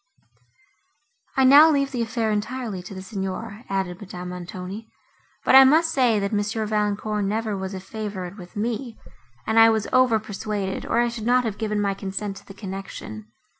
"I now leave the affair entirely to the Signor," added Madame Montoni, "but I must say, that M. Valancourt never was a favourite with me, and I was overpersuaded, or I should not have given my consent to the connection.